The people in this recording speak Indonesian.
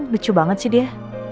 lucu banget sih dia